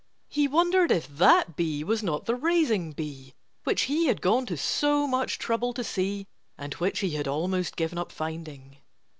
He wondered if that bee was not the raising bee, which he had gone to so much trouble to see and which he had almost given up finding.